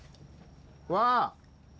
わあ。